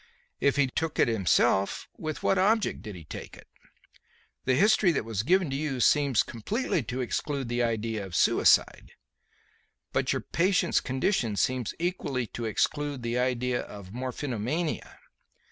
If he took it himself, with what object did he take it? The history that was given to you seems completely to exclude the idea of suicide. But the patient's condition seems equally to exclude the idea of morphinomania.